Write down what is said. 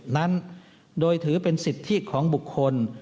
นั้นโดยถือเป็นสิทธิของบุคคล